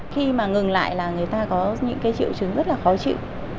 khi mà ngừng lại là người ta có những cái triệu chứng rất là khó chịu